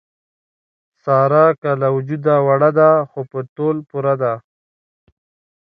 ساره که له وجوده وړه ده، خو په تول پوره ده.